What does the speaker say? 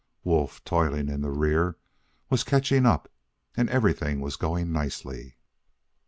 Wolf, toiling in the rear, was catching up, and everything was going nicely.